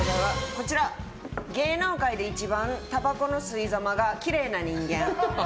芸能界で一番、たばこの吸いざまがきれいな人間。